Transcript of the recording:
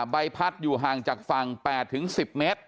ใบพัดอยู่ห่างจากฝั่ง๘๑๐เมตร